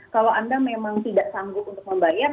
kalau anda memang tidak sanggup untuk membayar